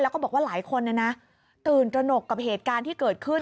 แล้วก็บอกว่าหลายคนตื่นตระหนกกับเหตุการณ์ที่เกิดขึ้น